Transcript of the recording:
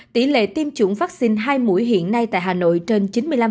tỷ lệ tiêm chủng vaccine hai mũi hiện nay tại hà nội trên chín mươi năm